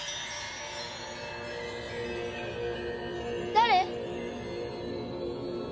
誰！？